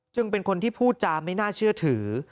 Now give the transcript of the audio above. เป็นคนที่พูดจาไม่น่าเชื่อถือ